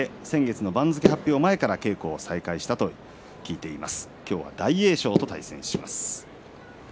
先月の番付発表の前から稽古を始めたと話しています